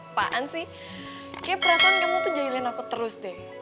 apaan sih kayaknya perasaan kamu tuh jahilin aku terus deh